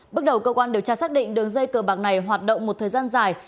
bước đầu cơ quan điều tra xác định đường dây cờ bạc này hoạt động một thời gian dài